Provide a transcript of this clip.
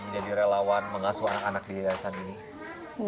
jadi relawan mengasuh anak anak di yayasan ini